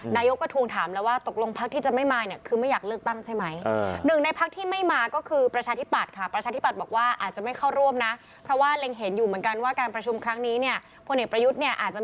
นายกก็ทวงถามแล้วว่าตกลงพักที่จะไม่มาเนี่ยคือไม่อยากเลือกตั้งใช่ไหม